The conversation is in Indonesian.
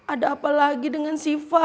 ada apa lagi dengan sifat